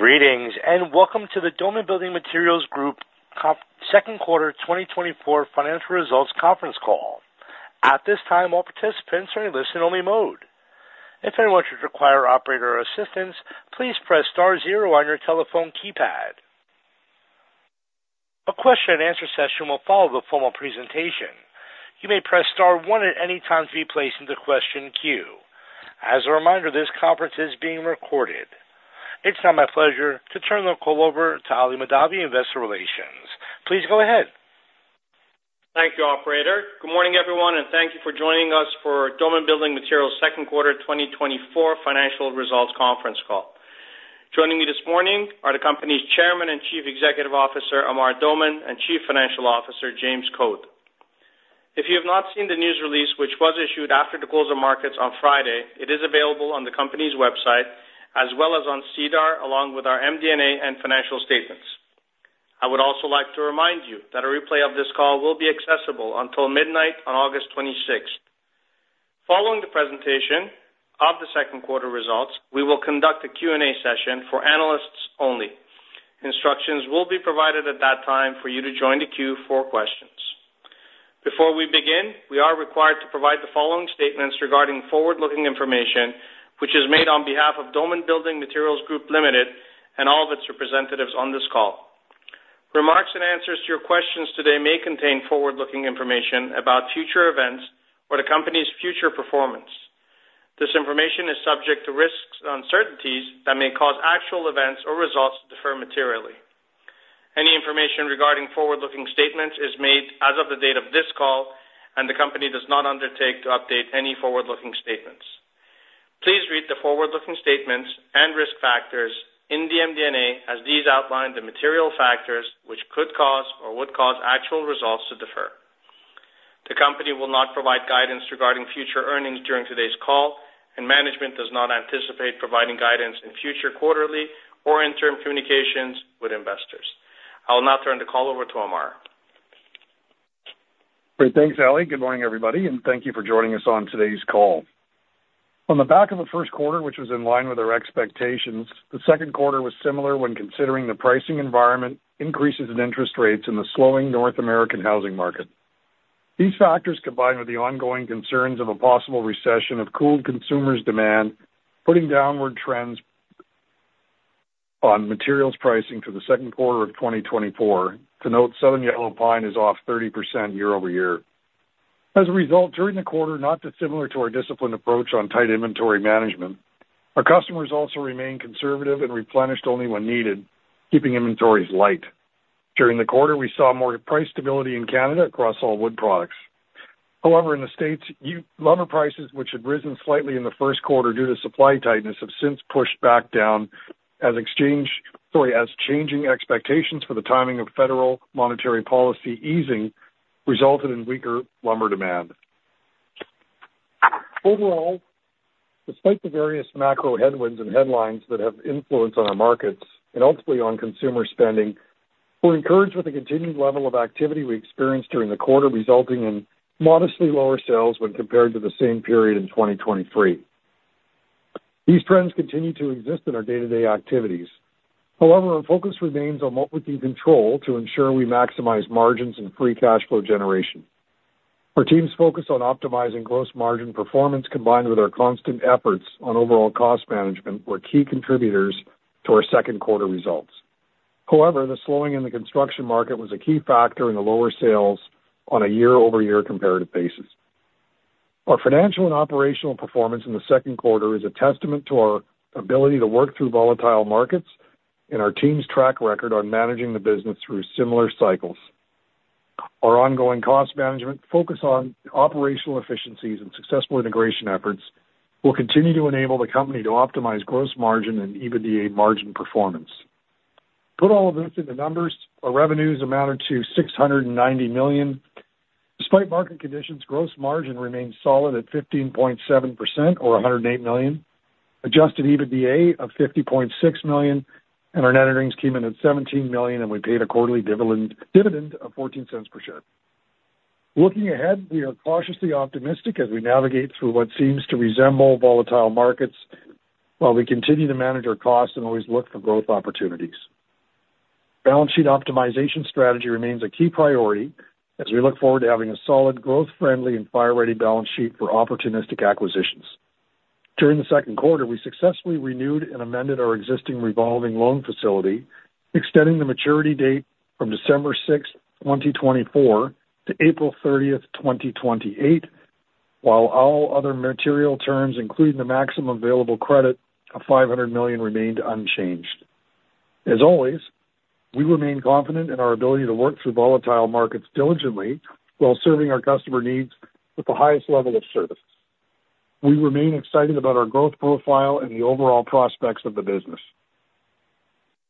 Greetings, and welcome to the Doman Building Materials Group Second Quarter 2024 financial Results conference call. At this time, all participants are in listen-only mode. If anyone should require operator assistance, please press star zero on your telephone keypad. A question-and-answer session will follow the formal presentation. You may press star one at any time to be placed into question queue. As a reminder, this conference is being recorded. It's now my pleasure to turn the call over to Ali Mahdavi, Investor Relations. Please go ahead. Thank you, operator. Good morning, everyone, and thank you for joining us for Doman Building Materials second quarter 2024 financial results conference call. Joining me this morning are the company's Chairman and Chief Executive Officer, Amar Doman, and Chief Financial Officer, James Code. If you have not seen the news release, which was issued after the close of markets on Friday, it is available on the company's website, as well as on SEDAR, along with our MD&A and financial statements. I would also like to remind you that a replay of this call will be accessible until midnight on August twenty-sixth. Following the presentation of the second quarter results, we will conduct a Q&A session for analysts only. Instructions will be provided at that time for you to join the queue for questions. Before we begin, we are required to provide the following statements regarding forward-looking information, which is made on behalf of Doman Building Materials Group Ltd. and all of its representatives on this call. Remarks and answers to your questions today may contain forward-looking information about future events or the company's future performance. This information is subject to risks and uncertainties that may cause actual events or results to differ materially. Any information regarding forward-looking statements is made as of the date of this call, and the company does not undertake to update any forward-looking statements. Please read the forward-looking statements and risk factors in the MD&A, as these outline the material factors which could cause or would cause actual results to differ. The company will not provide guidance regarding future earnings during today's call, and management does not anticipate providing guidance in future quarterly or interim communications with investors. I will now turn the call over to Amar. Great. Thanks, Ali. Good morning, everybody, and thank you for joining us on today's call. On the back of the first quarter, which was in line with our expectations, the second quarter was similar when considering the pricing environment, increases in interest rates, and the slowing North American housing market. These factors, combined with the ongoing concerns of a possible recession, have cooled consumers' demand, putting downward trends on materials pricing for the second quarter of 2024. To note, Southern Yellow Pine is off 30% year-over-year. As a result, during the quarter, not dissimilar to our disciplined approach on tight inventory management, our customers also remained conservative and replenished only when needed, keeping inventories light. During the quarter, we saw more price stability in Canada across all wood products. However, in the States, lumber prices, which had risen slightly in the first quarter due to supply tightness, have since pushed back down as changing expectations for the timing of federal monetary policy easing resulted in weaker lumber demand. Overall, despite the various macro headwinds and headlines that have influence on our markets and ultimately on consumer spending, we're encouraged with the continued level of activity we experienced during the quarter, resulting in modestly lower sales when compared to the same period in 2023. These trends continue to exist in our day-to-day activities. However, our focus remains on what we can control to ensure we maximize margins and free cash flow generation. Our team's focus on optimizing gross margin performance, combined with our constant efforts on overall cost management, were key contributors to our second quarter results. However, the slowing in the construction market was a key factor in the lower sales on a year-over-year comparative basis. Our financial and operational performance in the second quarter is a testament to our ability to work through volatile markets and our team's track record on managing the business through similar cycles. Our ongoing cost management, focus on operational efficiencies, and successful integration efforts will continue to enable the company to optimize gross margin and EBITDA margin performance. Put all of this in the numbers, our revenues amounted to 690 million. Despite market conditions, gross margin remained solid at 15.7%, or 108 million, adjusted EBITDA of 50.6 million, and our net earnings came in at 17 million, and we paid a quarterly dividend of 0.14 per share. Looking ahead, we are cautiously optimistic as we navigate through what seems to resemble volatile markets, while we continue to manage our costs and always look for growth opportunities. Balance sheet optimization strategy remains a key priority as we look forward to having a solid, growth-friendly, and fire-ready balance sheet for opportunistic acquisitions. During the second quarter, we successfully renewed and amended our existing revolving loan facility, extending the maturity date from December 6, 2024, to April 30, 2028, while all other material terms, including the maximum available credit of 500 million, remained unchanged. As always, we remain confident in our ability to work through volatile markets diligently while serving our customer needs with the highest level of service. We remain excited about our growth profile and the overall prospects of the business.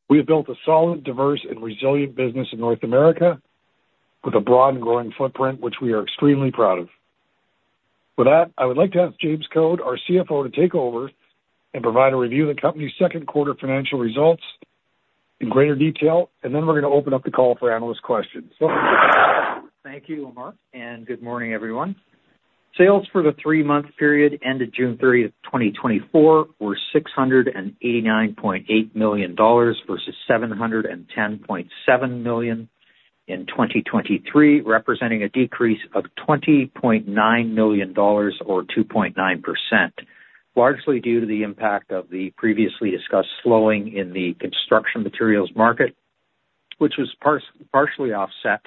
We have built a solid, diverse, and resilient business in North America with a broad and growing footprint, which we are extremely proud of. With that, I would like to ask James Code, our CFO, to take over and provide a review of the company's second quarter financial results in greater detail, and then we're going to open up the call for analyst questions. Thank you, Amar, and good morning, everyone. Sales for the three-month period ended June 30, 2024, were 689.8 million dollars versus 710.7 million in 2023, representing a decrease of 20.9 million dollars, or 2.9%, largely due to the impact of the previously discussed slowing in the construction materials market, which was partially offset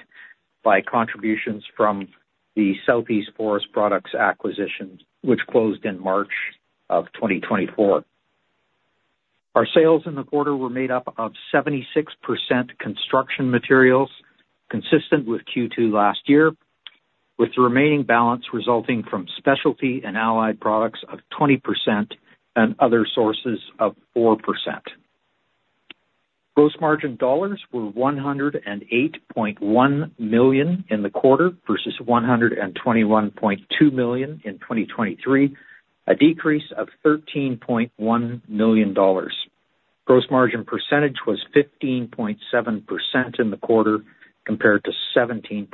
by contributions from the Southeast Forest Products acquisition, which closed in March of 2024. Our sales in the quarter were made up of 76% construction materials, consistent with Q2 last year, with the remaining balance resulting from specialty and allied products of 20% and other sources of 4%. Gross margin dollars were 108.1 million in the quarter, versus 121.2 million in 2023, a decrease of 13.1 million dollars. Gross margin percentage was 15.7% in the quarter, compared to 17%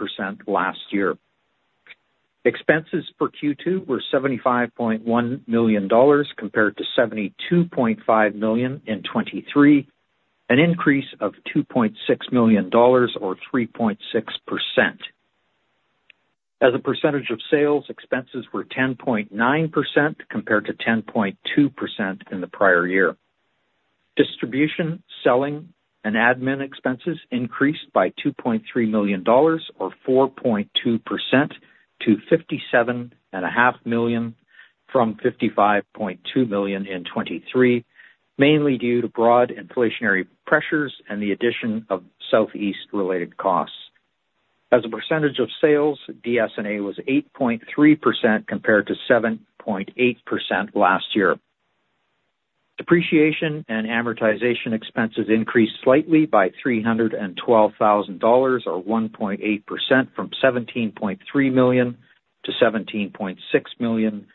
last year. Expenses for Q2 were CAD 75.1 million compared to CAD 72.5 million in 2023, an increase of CAD 2.6 million or 3.6%. As a percentage of sales, expenses were 10.9% compared to 10.2% in the prior year. Distribution, selling, and admin expenses increased by CAD 2.3 million, or 4.2% to CAD 57.5 million from CAD 55.2 million in 2023, mainly due to broad inflationary pressures and the addition of Southeast related costs. As a percentage of sales, DS&A was 8.3% compared to 7.8% last year. Depreciation and amortization expenses increased slightly by $312,000, or 1.8% from $17.3 million to $17.6 million,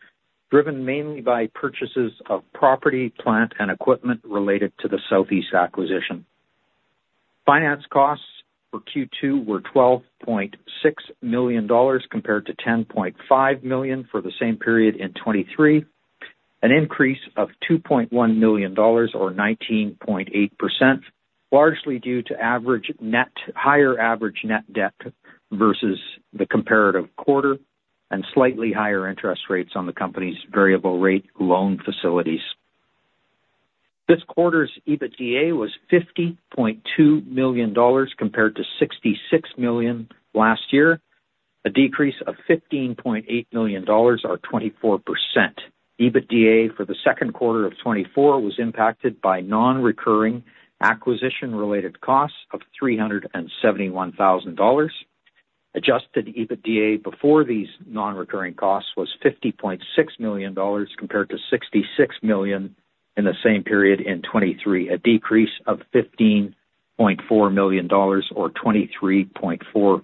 driven mainly by purchases of property, plant, and equipment related to the Southeast acquisition. Finance costs for Q2 were $12.6 million, compared to $10.5 million for the same period in 2023, an increase of $2.1 million or 19.8%, largely due to higher average net debt versus the comparative quarter and slightly higher interest rates on the company's variable rate loan facilities. This quarter's EBITDA was $50.2 million, compared to $66 million last year, a decrease of $15.8 million or 24%. EBITDA for the second quarter of 2024 was impacted by non-recurring acquisition-related costs of 371,000 dollars. Adjusted EBITDA before these non-recurring costs was 50.6 million dollars, compared to 66 million in the same period in 2023, a decrease of 15.4 million dollars, or 23.4%.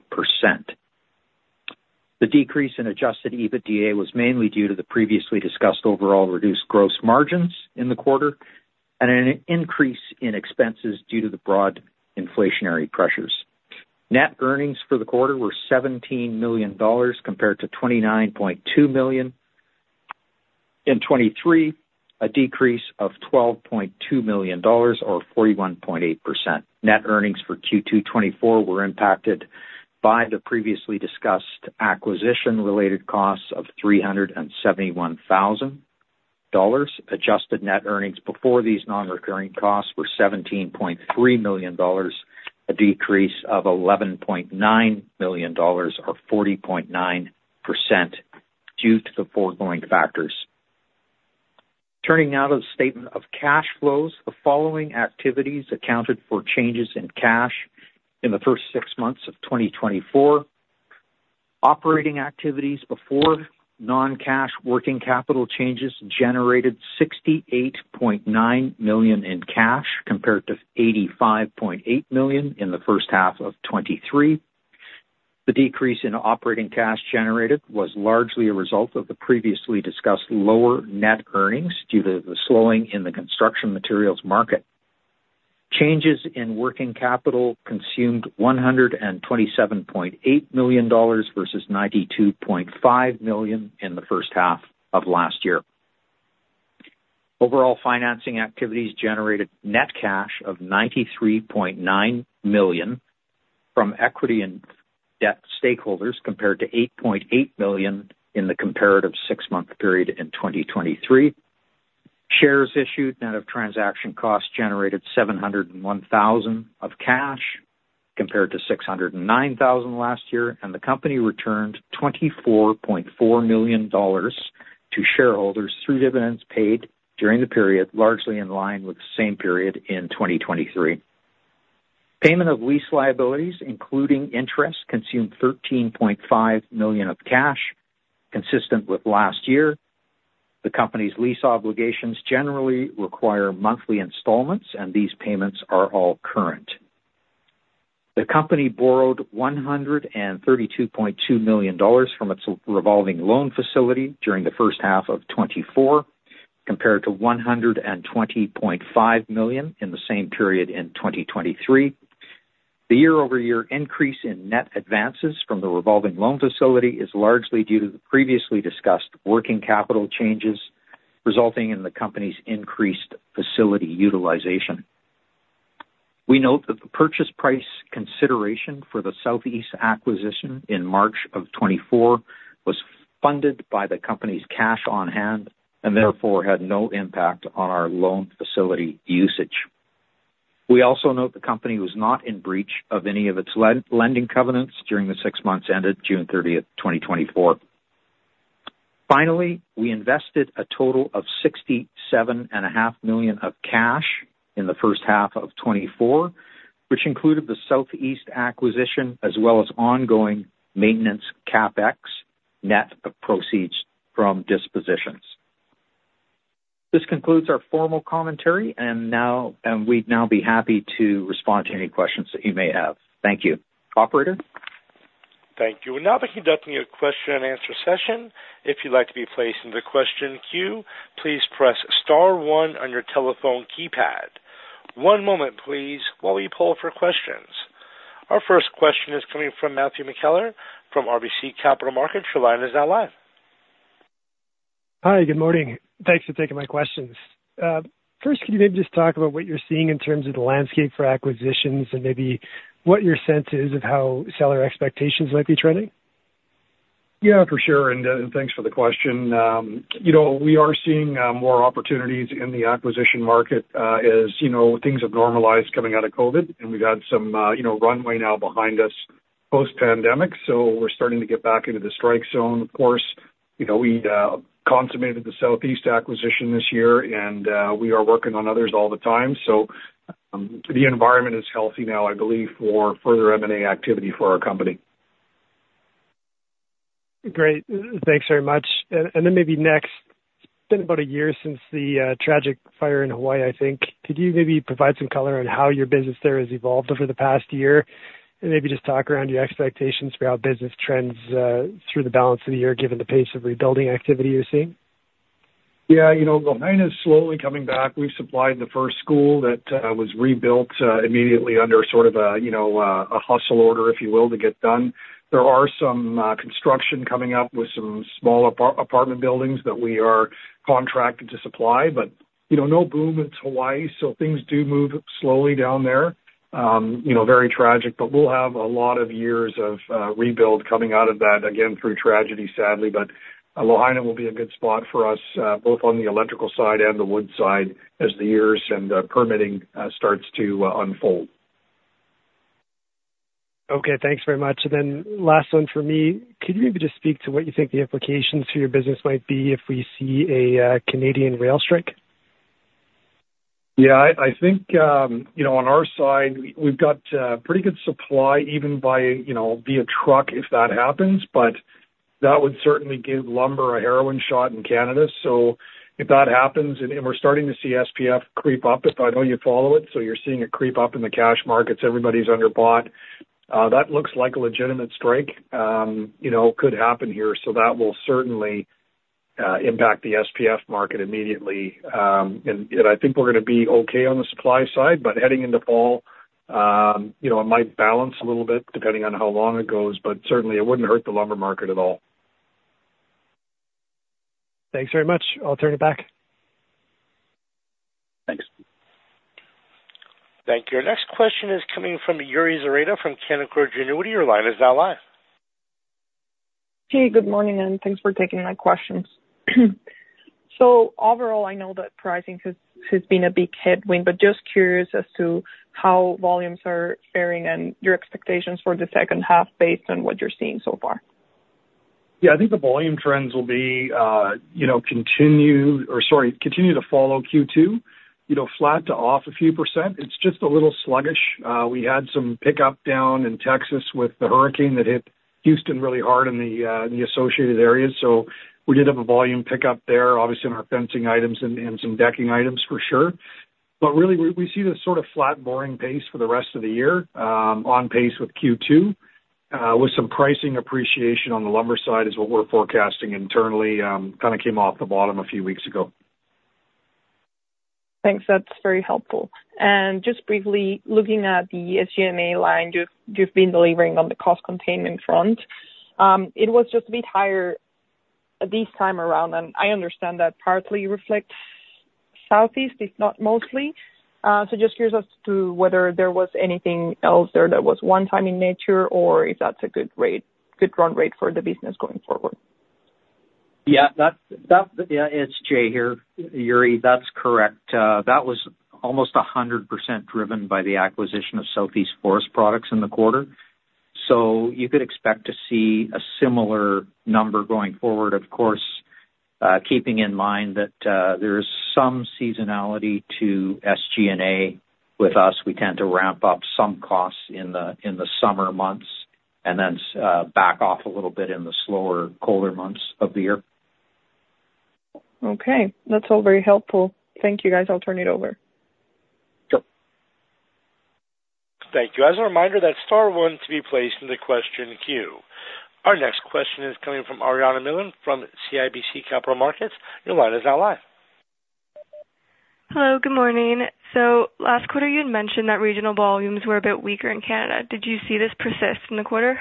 The decrease in adjusted EBITDA was mainly due to the previously discussed overall reduced gross margins in the quarter and an increase in expenses due to the broad inflationary pressures. Net earnings for the quarter were 17 million dollars, compared to 29.2 million in 2023, a decrease of 12.2 million dollars, or 41.8%. Net earnings for Q2 2024 were impacted by the previously discussed acquisition-related costs of 371,000 dollars. Adjusted net earnings before these non-recurring costs were 17.3 million dollars, a decrease of 11.9 million dollars, or 40.9%, due to the foregoing factors. Turning now to the statement of cash flows. The following activities accounted for changes in cash in the first six months of 2024. Operating activities before non-cash working capital changes, generated 68.9 million in cash, compared to 85.8 million in the first half of 2023. The decrease in operating cash generated was largely a result of the previously discussed lower net earnings due to the slowing in the construction materials market. Changes in working capital consumed 127.8 million dollars versus 92.5 million in the first half of last year. Overall, financing activities generated net cash of 93.9 million from equity and debt stakeholders, compared to 8.8 million in the comparative six-month period in 2023. Shares issued net of transaction costs generated 701 thousand of cash, compared to 609 thousand last year, and the company returned 24.4 million dollars to shareholders through dividends paid during the period, largely in line with the same period in 2023. Payment of lease liabilities, including interest, consumed 13.5 million of cash, consistent with last year. The company's lease obligations generally require monthly installments, and these payments are all current. The company borrowed 132.2 million dollars from its Revolving Loan Facility during the first half of 2024, compared to 120.5 million in the same period in 2023. The year-over-year increase in net advances from the revolving loan facility is largely due to the previously discussed working capital changes, resulting in the company's increased facility utilization. We note that the purchase price consideration for the Southeast acquisition in March 2024 was funded by the company's cash on hand and therefore had no impact on our loan facility usage. We also note the company was not in breach of any of its lending covenants during the six months ended June 30, 2024. Finally, we invested a total of 67.5 million in cash in the first half of 2024, which included the Southeast acquisition, as well as ongoing maintenance CapEx, net of proceeds from dispositions. This concludes our formal commentary, and now, and we'd now be happy to respond to any questions that you may have. Thank you. Operator? Thank you. We'll now be conducting a question and answer session. If you'd like to be placed in the question queue, please press star one on your telephone keypad. One moment, please, while we poll for questions. Our first question is coming from Matthew McKellar from RBC Capital Markets. Your line is now live. Hi, good morning. Thanks for taking my questions. First, can you maybe just talk about what you're seeing in terms of the landscape for acquisitions and maybe what your sense is of how seller expectations might be trending? Yeah, for sure, and, thanks for the question. You know, we are seeing more opportunities in the acquisition market, as, you know, things have normalized coming out of COVID, and we've had some, you know, runway now behind us post-pandemic, so we're starting to get back into the strike zone. Of course, you know, we consummated the Southeast acquisition this year, and we are working on others all the time. So, the environment is healthy now, I believe, for further M&A activity for our company. Great. Thanks very much. And then maybe next, it's been about a year since the tragic fire in Hawaii, I think. Could you maybe provide some color on how your business there has evolved over the past year? And maybe just talk around your expectations for how business trends through the balance of the year, given the pace of rebuilding activity you're seeing. Yeah, you know, Lahaina is slowly coming back. We've supplied the first school that was rebuilt immediately under sort of a, you know, a hustle order, if you will, to get done. There are some construction coming up with some small apartment buildings that we are contracted to supply, but, you know, no boom in Hawaii, so things do move slowly down there. You know, very tragic, but we'll have a lot of years of rebuild coming out of that, again, through tragedy, sadly. But Lahaina will be a good spot for us both on the electrical side and the wood side, as the years and permitting starts to unfold. Okay, thanks very much. And then last one for me. Could you maybe just speak to what you think the implications for your business might be if we see a Canadian rail strike? Yeah, I think, you know, on our side, we've got pretty good supply, even by, you know, via truck, if that happens, but that would certainly give lumber a shot in the arm in Canada. So if that happens, and we're starting to see SPF creep up, as I know you follow it. So you're seeing it creep up in the cash markets. Everybody's underbought. You know, could happen here, so that will certainly impact the SPF market immediately. And I think we're gonna be okay on the supply side, but heading into fall, you know, it might balance a little bit, depending on how long it goes, but certainly it wouldn't hurt the lumber market at all. Thanks very much. I'll turn it back. Thanks. Thank you. Our next question is coming from Yuri Lynk from Canaccord Genuity. Your line is now live. Hey, good morning, and thanks for taking my questions. So overall, I know that pricing has been a big headwind, but just curious as to how volumes are faring and your expectations for the second half based on what you're seeing so far. Yeah, I think the volume trends will be, you know, continue to follow Q2, you know, flat to off a few percent. It's just a little sluggish. We had some pickup down in Texas with the hurricane that hit Houston really hard and the associated areas. So we did have a volume pickup there, obviously in our fencing items and some decking items for sure. But really, we see this sort of flat, boring pace for the rest of the year, on pace with Q2, with some pricing appreciation on the lumber side is what we're forecasting internally. Kind of came off the bottom a few weeks ago. Thanks. That's very helpful. And just briefly looking at the SG&A line, you've been delivering on the cost containment front. It was just a bit higher this time around, and I understand that partly reflects Southeast, if not mostly. So just curious as to whether there was anything else there that was one-time in nature, or if that's a good rate, good run rate for the business going forward. Yeah, that's. Yeah, it's Jay here, Yuri. That's correct. That was almost 100% driven by the acquisition of Southeast Forest Products in the quarter. So you could expect to see a similar number going forward, of course, keeping in mind that there is some seasonality to SG&A with us. We tend to ramp up some costs in the summer months, and then back off a little bit in the slower, colder months of the year.... Okay, that's all very helpful. Thank you, guys. I'll turn it over. Sure. Thank you. As a reminder, that's star one to be placed in the question queue. Our next question is coming from Ariana Milin from CIBC Capital Markets. Your line is now live. Hello, good morning. Last quarter, you had mentioned that regional volumes were a bit weaker in Canada. Did you see this persist in the quarter?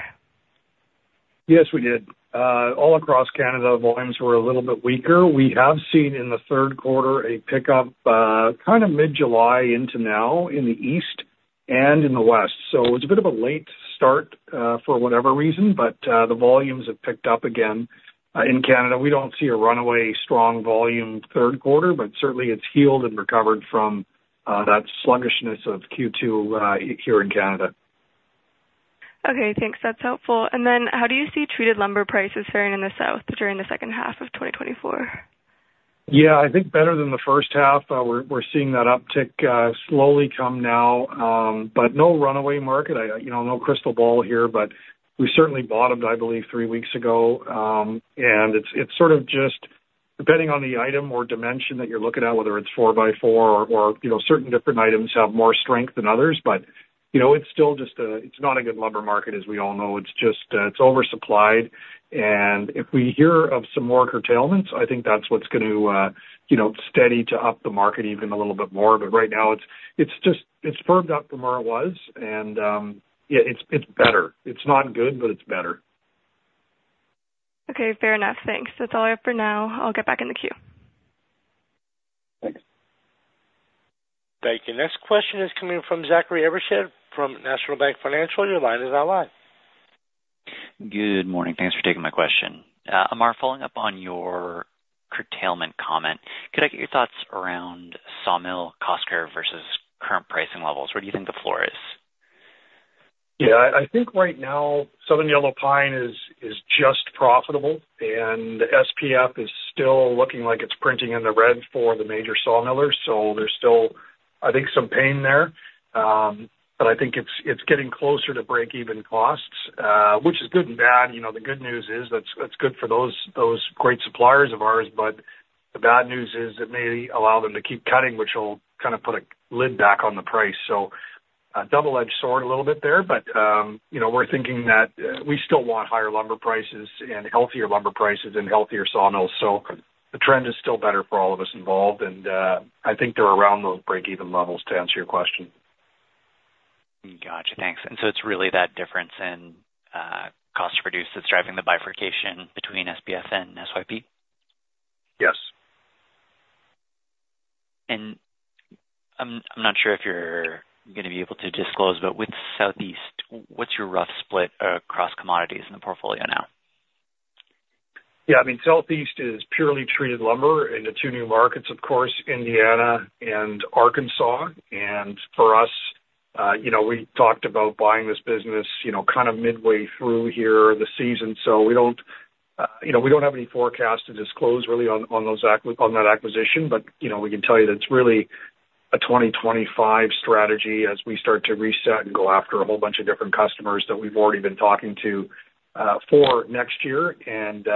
Yes, we did. All across Canada, volumes were a little bit weaker. We have seen in the third quarter a pickup, kind of mid-July into now in the east and in the west. So it's a bit of a late start, for whatever reason, but the volumes have picked up again. In Canada, we don't see a runaway strong volume third quarter, but certainly it's healed and recovered from that sluggishness of Q2 here in Canada. Okay, thanks. That's helpful. Then how do you see treated lumber prices faring in the South during the second half of 2024? Yeah, I think better than the first half. We're seeing that uptick slowly come now, but no runaway market. You know, no crystal ball here, but we certainly bottomed, I believe, three weeks ago. And it's sort of just depending on the item or dimension that you're looking at, whether it's four by four or, you know, certain different items have more strength than others. But, you know, it's still just a—it's not a good lumber market, as we all know. It's just oversupplied, and if we hear of some more curtailments, I think that's what's going to steady to up the market even a little bit more. But right now, it's just firmed up from where it was, and yeah, it's better. It's not good, but it's better. Okay, fair enough. Thanks. That's all I have for now. I'll get back in the queue. Thank you. Thank you. Next question is coming from Zachary Evershed from National Bank Financial. Your line is now live. Good morning. Thanks for taking my question. Amar, following up on your curtailment comment, could I get your thoughts around sawmill cost curve versus current pricing levels? Where do you think the floor is? Yeah, I think right now, Southern Yellow Pine is just profitable, and SPF is still looking like it's printing in the red for the major sawmillers. So there's still, I think, some pain there. But I think it's getting closer to break-even costs, which is good and bad. You know, the good news is that's good for those great suppliers of ours, but the bad news is it may allow them to keep cutting, which will kind of put a lid back on the price. So a double-edged sword a little bit there, but, you know, we're thinking that we still want higher lumber prices and healthier lumber prices and healthier sawmills. So the trend is still better for all of us involved, and I think they're around those break-even levels to answer your question. Gotcha. Thanks. And so it's really that difference in cost to produce that's driving the bifurcation between SPF and SYP? Yes. I'm not sure if you're gonna be able to disclose, but with Southeast, what's your rough split across commodities in the portfolio now? Yeah, I mean, Southeast is purely treated lumber in the two new markets, of course, Indiana and Arkansas. And for us, you know, we talked about buying this business, you know, kind of midway through here the season. So we don't, you know, we don't have any forecast to disclose really on, on that acquisition. But, you know, we can tell you that it's really a 2025 strategy as we start to reset and go after a whole bunch of different customers that we've already been talking to, for next year. And,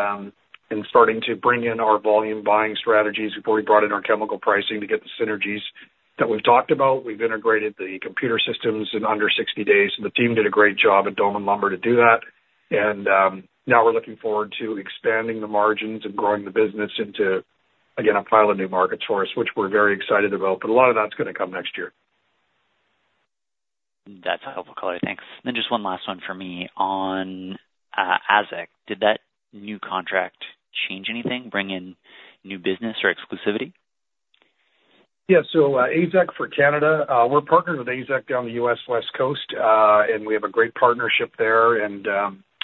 and starting to bring in our volume buying strategies before we brought in our chemical pricing to get the synergies that we've talked about. We've integrated the computer systems in under 60 days, and the team did a great job at Doman Lumber to do that. Now we're looking forward to expanding the margins and growing the business into, again, a pile of new markets for us, which we're very excited about, but a lot of that's gonna come next year. That's a helpful color. Thanks. Then just one last one for me on, AZEK. Did that new contract change anything, bring in new business or exclusivity? Yeah. So, AZEK for Canada, we're partnered with AZEK down the U.S. West Coast, and we have a great partnership there.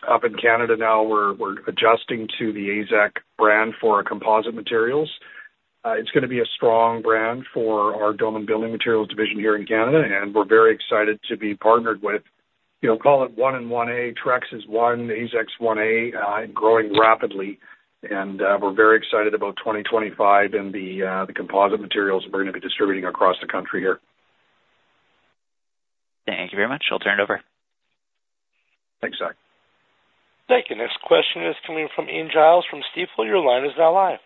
Up in Canada now, we're adjusting to the AZEK brand for our composite materials. It's gonna be a strong brand for our Doman Building Materials division here in Canada, and we're very excited to be partnered with, you know, call it one and one A. Trex is one, AZEK's one A, and growing rapidly. We're very excited about 2025 and the composite materials that we're gonna be distributing across the country here. Thank you very much. I'll turn it over. Thanks, Zach. Thank you. Next question is coming from Ian Gillies from Stifel. Your line is now live.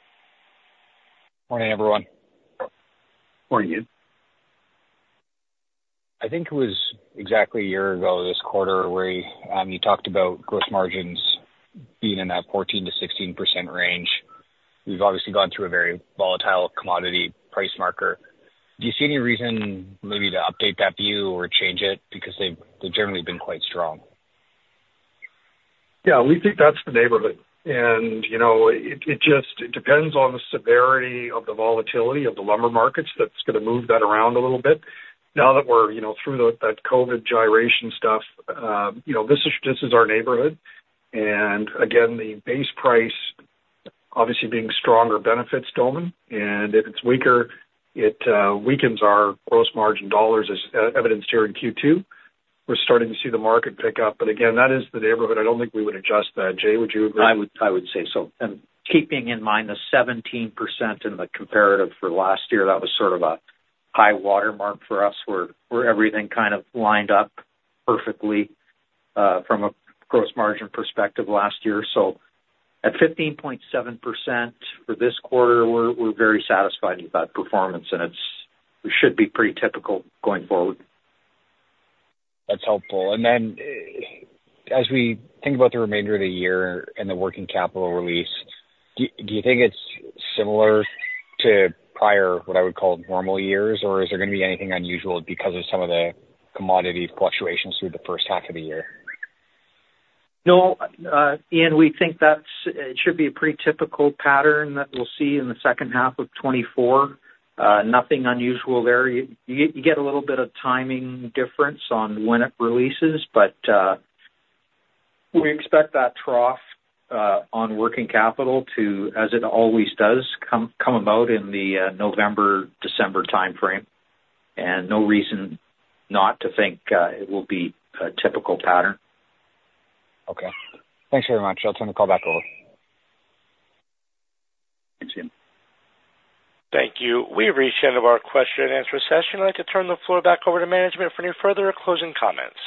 Morning, everyone. Morning, Ian. I think it was exactly a year ago this quarter where you talked about gross margins being in that 14%-16% range. We've obviously gone through a very volatile commodity price market. Do you see any reason maybe to update that view or change it? Because they've generally been quite strong. Yeah, we think that's the neighborhood, and, you know, it just depends on the severity of the volatility of the lumber markets. That's gonna move that around a little bit. Now that we're, you know, through that Covid gyration stuff, you know, this is our neighborhood. And again, the base price obviously being stronger benefits Doman, and if it's weaker, it weakens our gross margin dollars as evidenced here in Q2. We're starting to see the market pick up, but again, that is the neighborhood. I don't think we would adjust that. Jay, would you agree? I would, I would say so. And keeping in mind the 17% in the comparative for last year, that was sort of a high watermark for us, where, where everything kind of lined up perfectly from a gross margin perspective last year. So at 15.7% for this quarter, we're, we're very satisfied with that performance, and it's. It should be pretty typical going forward. That's helpful. And then as we think about the remainder of the year and the working capital release, do you think it's similar to prior, what I would call normal years, or is there gonna be anything unusual because of some of the commodity fluctuations through the first half of the year? No, Ian, we think that's it should be a pretty typical pattern that we'll see in the second half of 2024. Nothing unusual there. You, you get a little bit of timing difference on when it releases, but, we expect that trough on working capital to, as it always does, come, come about in the November, December timeframe, and no reason not to think it will be a typical pattern. Okay. Thanks very much. I'll turn the call back over. Thanks, Ian. Thank you. We've reached the end of our question and answer session. I'd like to turn the floor back over to management for any further closing comments.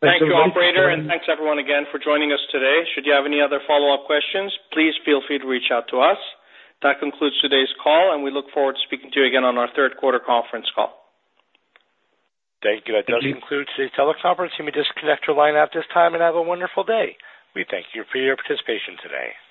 Thank you, operator, and thanks everyone again for joining us today. Should you have any other follow-up questions, please feel free to reach out to us. That concludes today's call, and we look forward to speaking to you again on our third quarter conference call. Thank you. That does conclude today's teleconference. You may disconnect your line at this time and have a wonderful day. We thank you for your participation today.